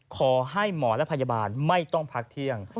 ขอให้หมอและพยาบาลไม่ต้องพักเที่ยง